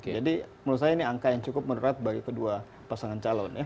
jadi menurut saya ini angka yang cukup menerat bagi kedua pasangan calon